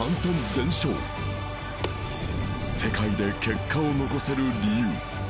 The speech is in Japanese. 全勝世界で結果を残せる理由